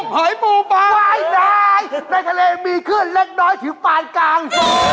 ก็ไม่หมากระดิกหาง